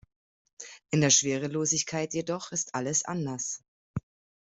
In der Schwerelosigkeit jedoch ist alles anders.